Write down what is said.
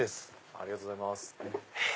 ありがとうございます。